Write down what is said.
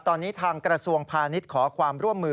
ตอนนี้ทางกระทรวงพาณิชย์ขอความร่วมมือ